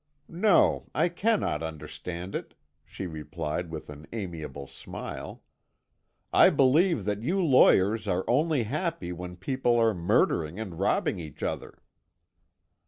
"No, I cannot understand it," she replied with an amiable smile. "I believe that you lawyers are only happy when people are murdering and robbing each other."